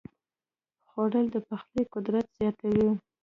خوړل د پخلي قدر زیاتوي